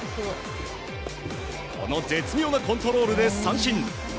この絶妙なコントロールで三振。